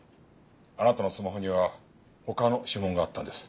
あなたのスマホには他の指紋があったんです。